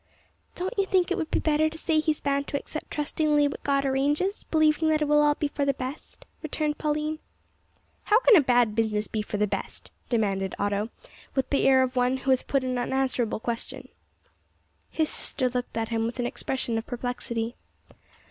"Don't you think it would be better to say he is bound to accept trustingly what God arranges, believing that it will be all for the best?" returned Pauline. "How can a bad business be for the best?" demanded Otto, with the air of one who has put an unanswerable question. His sister looked at him with an expression of perplexity.